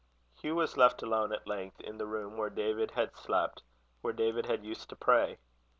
Hugh was left alone at length, in the room where David had slept, where David had used to pray.